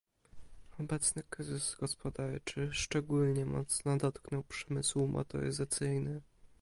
Obecny kryzys gospodarczy szczególnie mocno dotknął przemysł motoryzacyjny